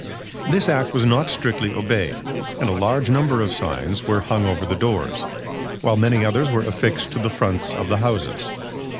This Act was not strictly obeyed; and large numbers of signs were hung over the doors, while many others were affixed to the fronts of the houses.